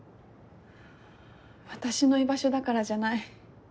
私の居場所だからじゃない。